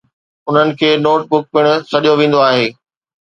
انهن کي notebook پڻ سڏيو ويندو آهي.